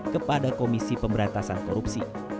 kepada komisi pemberantasan korupsi